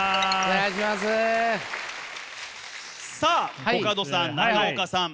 さあコカドさん中岡さん。